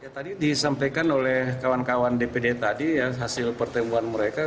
tadi disampaikan oleh kawan kawan dpd tadi ya hasil pertemuan mereka